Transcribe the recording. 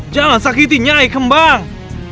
jangan sakiti nyai kembang